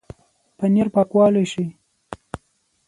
پنېر پاکوالی ښيي.